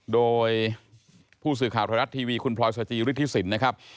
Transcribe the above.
โดยผู้สื่อข่าวไทยรัฐทีวีคุณพลอยสจิฤทธิสินนะครับ